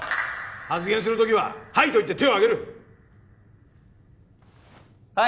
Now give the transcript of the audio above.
発言するときは「はい」と言って手をあげるはい！